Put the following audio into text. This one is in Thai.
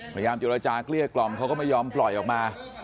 พยายามเจรจาเกลี้ยกล่อมเขาก็ไม่ยอมปล่อยออกมา